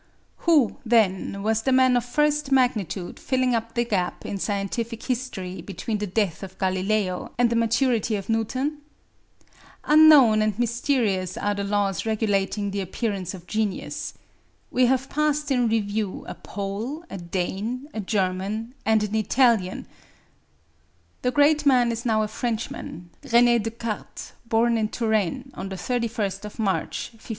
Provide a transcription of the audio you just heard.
Who, then, was the man of first magnitude filling up the gap in scientific history between the death of Galileo and the maturity of Newton? Unknown and mysterious are the laws regulating the appearance of genius. We have passed in review a Pole, a Dane, a German, and an Italian, the great man is now a Frenchman, René Descartes, born in Touraine, on the 31st of March, 1596.